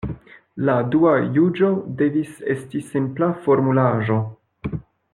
La dua juĝo devis esti simpla formulaĵo.